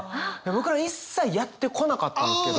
僕ら一切やってこなかったんですけど。